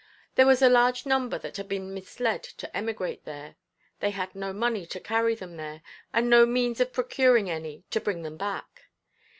There was a large number that had been misled to emigrate there; they had no money to carry them there, and no means of procuring any to bring them back.